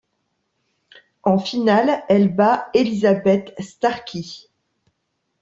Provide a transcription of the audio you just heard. En finale, elle bat Elizabeth Starkie.